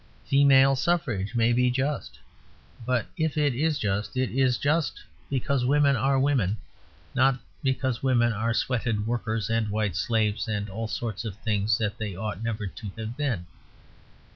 Female suffrage may be just. But if it is just, it is just because women are women, not because women are sweated workers and white slaves and all sorts of things that they ought never to have been.